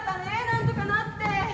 なんとかなって。